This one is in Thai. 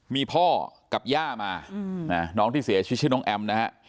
มีพ่อกับย่ามาน้องที่เสียชีวิตชื่อน้องแอมนะฮะ